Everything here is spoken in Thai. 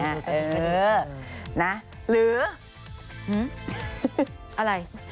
เออนะหรืออะไร